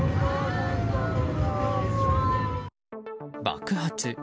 爆発。